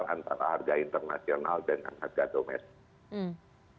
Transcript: terhadap harga internasional dan harga domestik